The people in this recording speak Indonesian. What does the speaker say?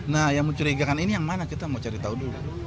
nah yang mencurigakan ini yang mana kita mau cari tahu dulu